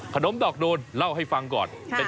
ดอกโดนเล่าให้ฟังก่อน